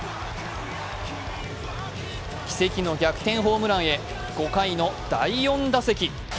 奇跡の逆転ホームランへ、５回の第４打席。